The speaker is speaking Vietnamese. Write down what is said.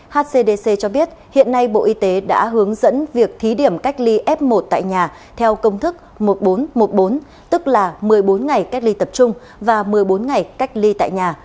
hcdc cho biết hiện nay bộ y tế đã hướng dẫn việc thí điểm cách ly f một tại nhà theo công thức một nghìn bốn trăm một mươi bốn tức là một mươi bốn ngày cách ly tập trung và một mươi bốn ngày cách ly tại nhà